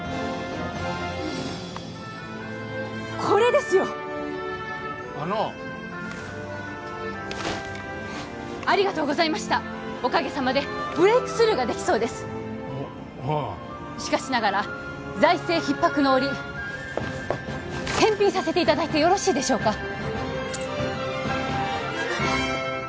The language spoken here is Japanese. これですよあのありがとうございましたおかげさまでブレイクスルーができそうですははあしかしながら財政ひっ迫の折返品させていただいてよろしいでしょうか？